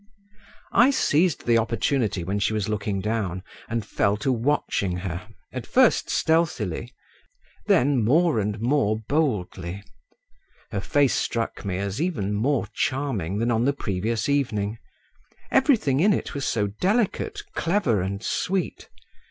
I seized the opportunity when she was looking down and fell to watching her, at first stealthily, then more and more boldly. Her face struck me as even more charming than on the previous evening; everything in it was so delicate, clever, and sweet.